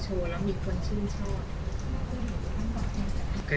ส่วนยังแบร์ดแซมแบร์ด